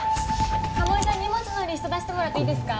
鴨井さん荷物のリスト出してもらっていいですか？